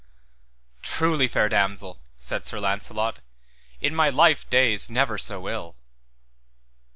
Truly, fair damosel, said Sir Launcelot, in my life days never so ill.